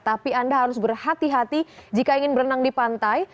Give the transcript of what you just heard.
tapi anda harus berhati hati jika ingin berenang di pantai